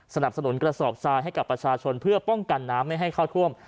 สนับสนุนกระสอบทรายให้กับประชาชนเพื่อป้องกันน้ำไม่ให้เข้าท่วม